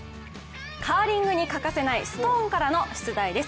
カーリングに欠かせないストーンからの出題です。